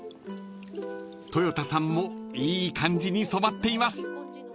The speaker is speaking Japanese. ［とよたさんもいい感じに染まっています］